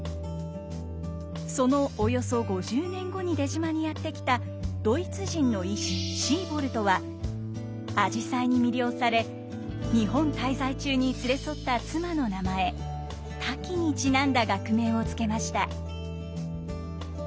そのおよそ５０年後に出島にやって来たドイツ人の医師シーボルトはあじさいに魅了され日本滞在中に連れ添った妻の名前「滝」にちなんだ学名を付けました。